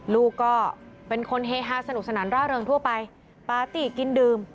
ลูกก็เป็นคนเฮฮาสนุกสนานร่าเริงทั่วไปปาร์ตี้กินดื่ม